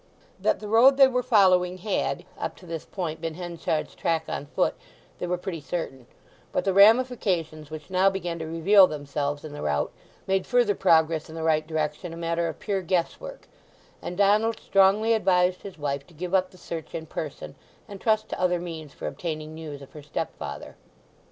That the road they were following had, up to this point, been Henchard's track on foot they were pretty certain; but the ramifications which now began to reveal themselves in the route made further progress in the right direction a matter of pure guess work, and Donald strongly advised his wife to give up the search in person, and trust to other means for obtaining news of her stepfather.